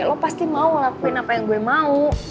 kamu pasti mau melakukan apa yang saya mau